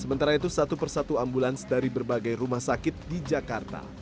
sementara itu satu persatu ambulans dari berbagai rumah sakit di jakarta